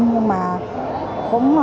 nhưng mà cũng không ngờ là